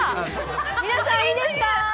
皆さん、いいですか？